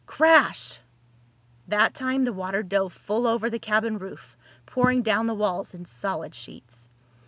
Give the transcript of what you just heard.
Crash! That time the water dove full over the cabin roof, pouring down the walls in solid sheets.